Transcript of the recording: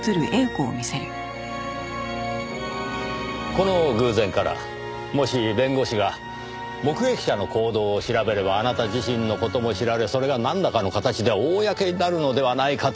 この偶然からもし弁護士が目撃者の行動を調べればあなた自身の事も知られそれがなんらかの形で公になるのではないかと恐れた。